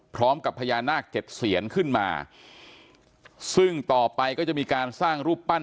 พร้อมกับพญานาคเจ็ดเซียนขึ้นมาซึ่งต่อไปก็จะมีการสร้างรูปปั้น